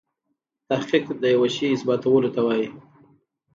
تحقیق دیوه شي اثباتولو ته وايي.